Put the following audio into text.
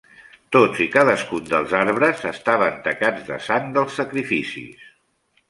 Tots i cadascun dels arbres estaven tacats de sang dels sacrificis.